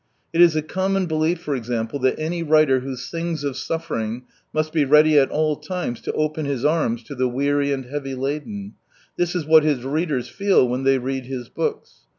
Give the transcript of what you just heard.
It is a common belief, for example, that any writer who sings of suffering must be ready at all times to open his arms to the weary and heavy laden. This is what his readers feel when they read his books.